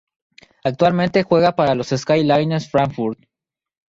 Actualmente juega para los Skyliners Frankfurt.